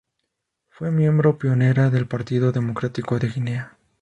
Fue miembro pionera del Partido Democrático de Guinea.